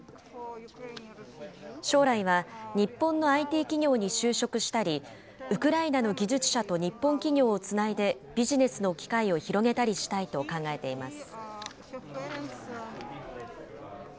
将来は、日本のＩＴ企業に就職したり、ウクライナの技術者と日本企業をつないでビジネスの機会を広げたりしたいと考えています。